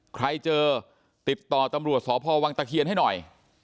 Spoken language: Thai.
ใครเจอติดต่อตำรวจสพวังตะเคียนให้หน่อย